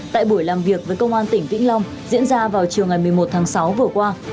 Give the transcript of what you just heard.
tại buổi làm việc với công an tỉnh vĩnh long diễn ra vào chiều ngày một mươi một tháng sáu vừa qua